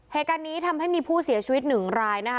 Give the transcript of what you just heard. เหตุการณ์นี้ทำให้มีผู้เสียชีวิตหนึ่งรายนะคะ